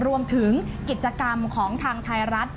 หรือกฏิกรรมของทางไทยรัฐ